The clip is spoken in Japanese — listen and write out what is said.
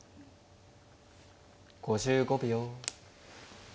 ５５秒。